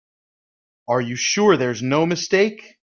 Are you sure there's no mistake?